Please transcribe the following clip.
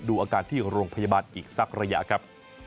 ดูอาการที่โรงพยาบาลอีกสักระยะครับ